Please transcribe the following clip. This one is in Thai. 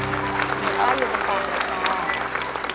สวัสดีครับป้าอยู่บนตรงนี้ครับ